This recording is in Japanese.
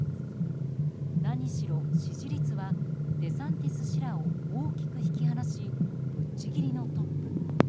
何しろ支持率はデサンティス氏らを大きく引き離しぶっちぎりのトップ。